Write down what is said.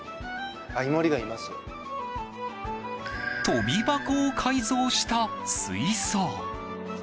跳び箱を改造した水槽。